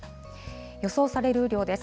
予想される雨量です。